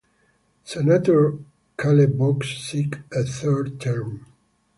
Senator J. Caleb Boggs seek a third term.